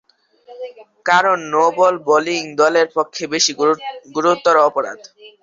কারণ no ball bowling দলের পক্ষে বেশি গুরুতর অপরাধ।